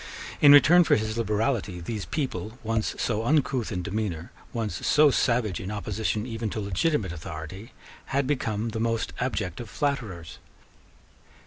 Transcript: In return for his liberality, these people, once so uncouth in demeanour, once so savage in opposition even to legitimate authority, had become the most abject of flatterers.